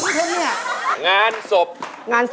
เพื่อจะไปชิงรางวัลเงินล้าน